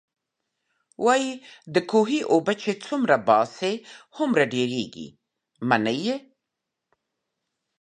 وايي د کوهي اوبه چې څومره باسې، هومره ډېرېږئ. منئ يې؟